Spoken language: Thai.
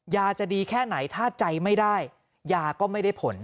ยาจะดีแค่ไหนถ้าใจไม่ได้ยาก็ไม่ได้ผล